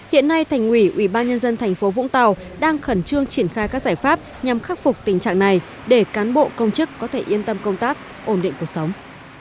hiện nay thành ủy ubnd tp vũng tàu đang khẩn trương triển khai các giải pháp nhằm khắc phục tình trạng này để cán bộ công chức có thể yên tâm công tác ổn định cuộc sống